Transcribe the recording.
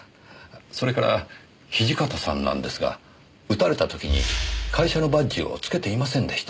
それから土方さんなんですが撃たれた時に会社のバッジをつけていませんでした。